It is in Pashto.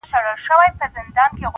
دا تور بدرنګه دا زامن د تیارو!.